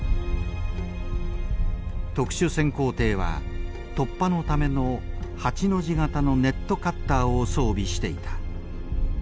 特殊潜航艇は突破のための８の字形のネットカッターを装備していた。